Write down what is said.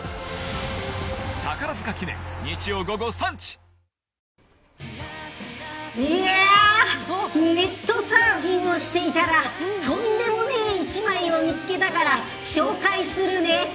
新「ＥＬＩＸＩＲ」ネットサーフィンをしていたらとんでもない一枚を見つけたから紹介するね。